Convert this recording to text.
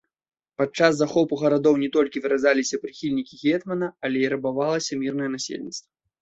Падчас захопу гарадоў не толькі выразаліся прыхільнікі гетмана, але і рабавалася мірнае насельніцтва.